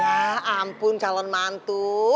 ya ampun calon mantu